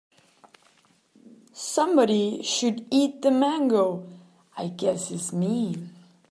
Somebody should eat the mango, I guess it is me.